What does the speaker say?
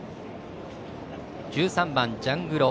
１３番、ジャングロ。